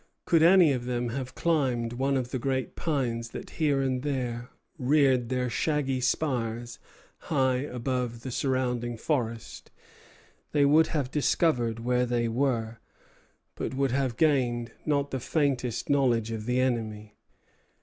Could any of them have climbed one of the great pines that here and there reared their shaggy spires high above the surrounding forest, they would have discovered where they were, but would have gained not the faintest knowledge of the enemy.